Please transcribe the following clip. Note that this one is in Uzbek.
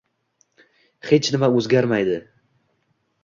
hech nima o’zgarmaydi.